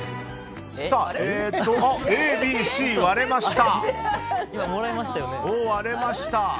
Ａ、Ｂ、Ｃと割れました。